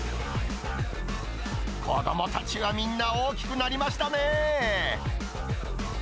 子どもたちはみんな大きくなりましたね。